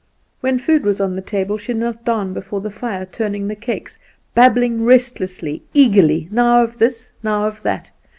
When food was on the table she knelt down before the fire, turning the cakes, babbling restlessly, eagerly, now of this, now of that.